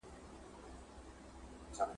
دغه شین اسمان شاهد دی ,